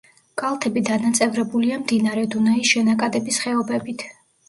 კალთები დანაწევრებულია მდინარე დუნაის შენაკადების ხეობებით.